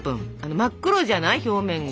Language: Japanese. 真っ黒じゃない表面が。